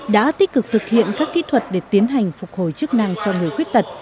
đã tích cực thực hiện các kỹ thuật để tiến hành phục hồi chức năng cho người khuyết tật